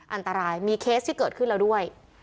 อันตรายมีเคสที่เกิดขึ้นแล้วด้วย